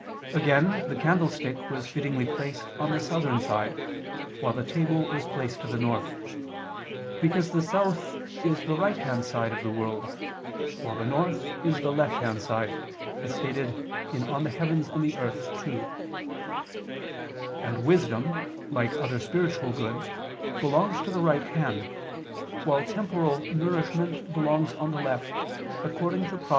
Again, the candlestick was fittingly placed on the southern side, while the table was placed to the north: because the south is the right hand side of the world, while the north is the left hand side, as stated in De Coelo et Mundo ii; and wisdom, like other spiritual goods, belongs to the right hand, while temporal nourishment belongs on the left, according to Prov.